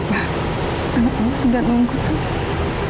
pak anakmu sudah nunggu tuh